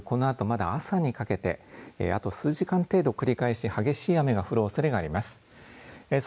このあとまだ朝にかけてあと数時間程度、繰り返し激しい雨が降るおそれがあります。